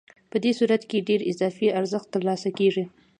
په دې صورت کې ډېر اضافي ارزښت ترلاسه کېږي